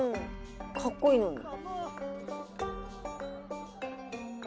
かっこいいのに。